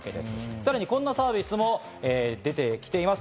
さらにこんなサービスも出てきています。